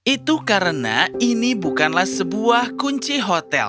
itu karena ini bukanlah sebuah kunci hotel